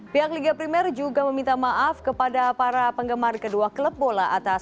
pihak liga primer juga meminta maaf kepada para penggemar kedua klub bola atas